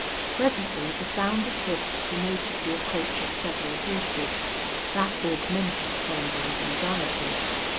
Presently the sound of hoofs denoted the approach of several horses. That augmented Columbine's anxiety.